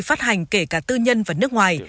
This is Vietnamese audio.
phát hành kể cả tư nhân và nước ngoài